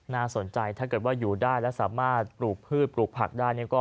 น่าสนใจถ้าเกิดว่าอยู่ได้และสามารถปลูกพืชปลูกผักได้